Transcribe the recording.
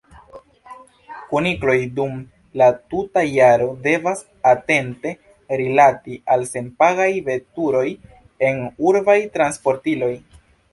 Kunikloj dum la tuta jaro devas atente rilati al senpagaj veturoj en urbaj transportiloj.